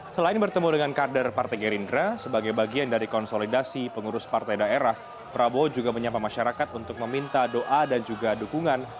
selain bertemu dengan kader partai gerindra sebagai bagian dari konsolidasi pengurus partai daerah prabowo juga menyapa masyarakat untuk meminta doa dan juga dukungan